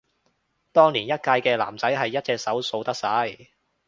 當年一屆嘅男仔係一隻手數得晒